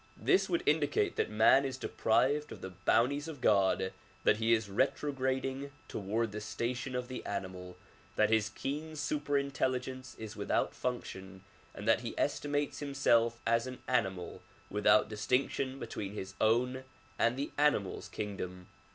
This would indicate that man is deprived of the bounties of God, that he is retrograding toward the station of the animal, that his keen super intelligence is without function and that he estimates himself as an animal without distinction between his own and the animal's kingdom.